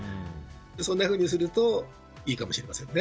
そんなふうにするといいかもしれませんね。